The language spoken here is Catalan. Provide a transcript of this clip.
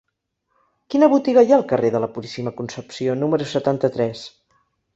Quina botiga hi ha al carrer de la Puríssima Concepció número setanta-tres?